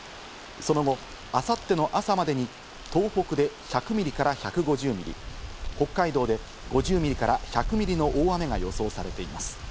その後、明後日の朝までに東北で１００ミリから１５０ミリ、北海道で５０ミリから１００ミリの大雨が予想されています。